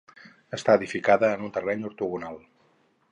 Està edificada en un terreny ortogonal.